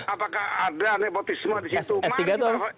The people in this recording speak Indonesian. apakah ada nepotisme di situ